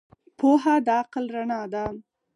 پوهه د عقل رڼا ده.